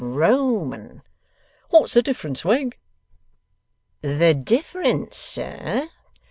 Roman.' 'What's the difference, Wegg?' 'The difference, sir?